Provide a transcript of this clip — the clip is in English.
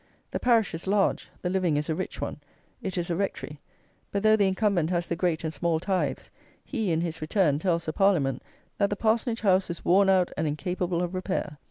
The parish is large, the living is a rich one, it is a Rectory; but though the incumbent has the great and small tithes, he, in his return, tells the Parliament that the parsonage house is "worn out and incapable of repair!"